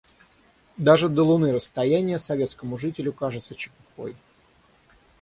Даже до луны расстояние советскому жителю кажется чепухой.